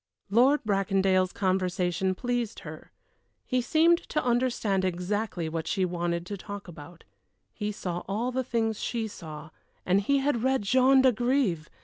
Lord Bracondale's conversation pleased her. He seemed to understand exactly what she wanted to talk about; he saw all the things she saw and he had read Jean d'Agrève!